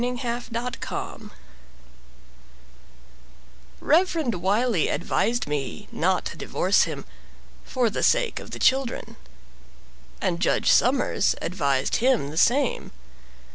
Mrs. Charles Bliss Reverend Wiley advised me not to divorce him For the sake of the children, And Judge Somers advised him the same.